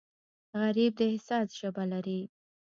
غریب د احساس ژبه لري